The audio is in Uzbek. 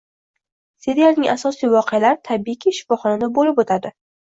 Serialning asosiy voqealari tabiiyki shifoxonada bulib o‘tadi.